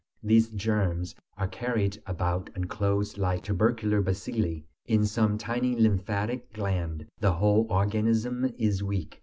These germs are carried about enclosed like tubercular bacilli in some tiny lymphatic gland; the whole organism is weak.